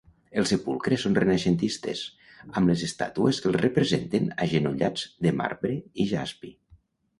Els sepulcres són renaixentistes, amb les estàtues que els representen agenollats, de marbre i jaspi.